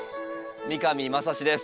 三上真史です。